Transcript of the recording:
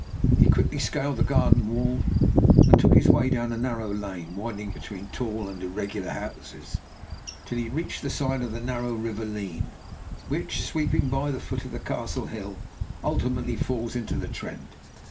He quickly scaled the garden wall, and took his way down a narrow lane winding between tall and irregular houses, till he reached the side of the narrow river Leen, which, sweeping by the foot of the castle hill, ultimately falls into the Trent.